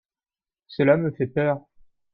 cela me fait peur.